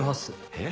えっ？